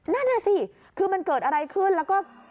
นั่นน่ะสิคือมันเกิดอะไรขึ้นแล้วก็